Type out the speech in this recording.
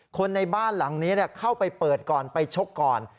คนในบ้านหลังนี้เข้าไปเปิดก่อนไปชกก่อน